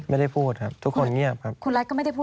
ไม่ได้พูดครับทุกคนเงียบครับ